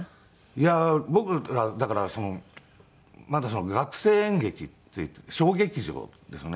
いや僕だからまだ学生演劇っていって小劇場ですね。